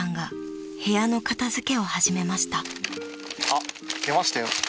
あっ出ましたよ。